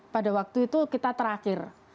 pada waktu itu kita terakhir